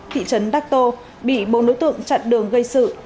thị trấn đắc tô bị bốn đối tượng chặn đường gây sự